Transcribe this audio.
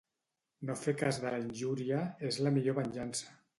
No fer cas de la injúria és la millor venjança.